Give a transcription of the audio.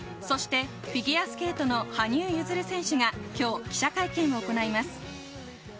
そして、フィギュアスケートの羽生結弦選手がきょう、記者会見を行います。